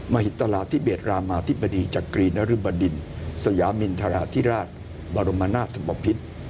มหิตราธิเบศรามาธิบดีจักรีนริบดินสยามินทราธิราชบรมนาศบพิษ